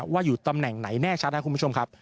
ว่าอยู่ตำแหน่งไหนแน่ชัดครับคุณผู้ชมครับ